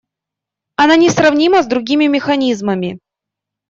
Она несравнима с другими механизмами.